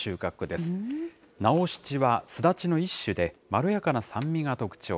七はすだちの一種で、まろやかな酸味が特徴。